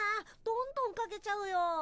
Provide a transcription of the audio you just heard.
どんどんかけちゃうよ。